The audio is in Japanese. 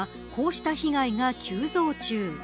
こうした被害が急増中。